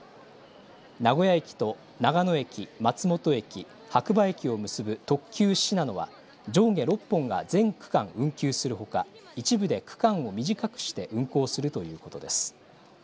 名古屋駅と長野駅、松本駅、白馬駅を結ぶ特急しなのは上下６本が全区間運休するほか、一部で区間を短くして運行するということです。